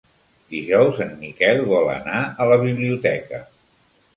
Dijous en Miquel vol anar a la biblioteca.